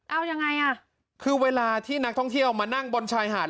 เอายังไงอ่ะคือเวลาที่นักท่องเที่ยวมานั่งบนชายหาด